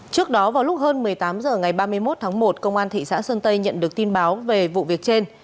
trước đó vào lúc hơn một mươi tám h ngày ba mươi một tháng một công an thị xã sơn tây nhận được tin báo về vụ việc trên